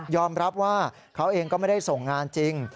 รับว่าเขาเองก็ไม่ได้ส่งงานจริง